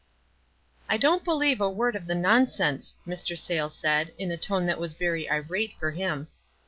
,f I don't believe a word of the nonsense," Mr. Saylcs said, in a tone that was very irate for him.